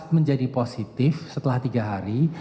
menjadi positif setelah tiga hari